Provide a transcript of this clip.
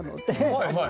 はいはい。